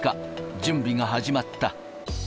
準備が始まった。